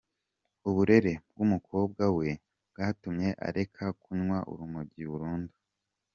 Uburere bw'umukobwa we bwatumye areka kunywa urumogi burundu!!.